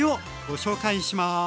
ご紹介します。